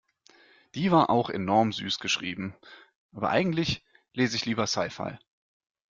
Die war auch enorm süß geschrieben. Aber eigentlich lese ich lieber Sci-Fi.